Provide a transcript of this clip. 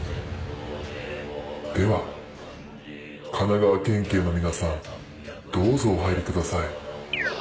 では神奈川県警の皆さんどうぞお入りください。